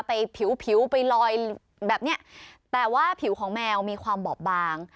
ผิวผิวไปลอยแบบเนี้ยแต่ว่าผิวของแมวมีความบอบบาง